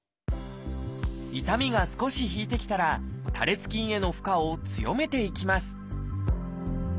痛みが少し引いてきたら多裂筋への負荷を強めていきます